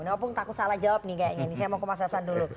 opung takut salah jawab nih kayaknya ini saya mau ke mas hasan dulu